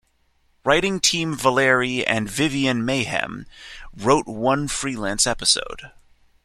Writing team Valerie and Vivian Mayhew wrote one freelance episode.